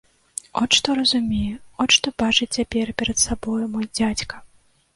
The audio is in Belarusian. От што разумее, от што бачыць цяпер перад сабою мой дзядзька.